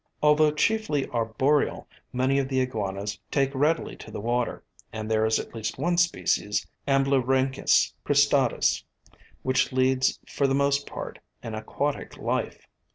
] Although chiefly arboreal, many of the iguanas take readily to the water; and there is at least one species, Amblyrhynchus cristatus, which leads for the most part an aquatic life.